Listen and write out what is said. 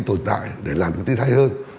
tồn tại để làm được tin hay hơn